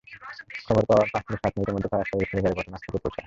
খবর পাওয়ার পাঁচ থেকে সাত মিনিটের মধ্যেই ফায়ার সার্ভিসের গাড়ি ঘটনাস্থলে পৌঁছায়।